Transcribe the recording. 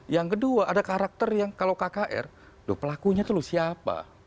yang kedua ada karakter yang kalau kkr loh pelakunya itu loh siapa